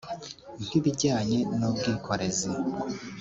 nk’ibijyanye n’ubwikorezi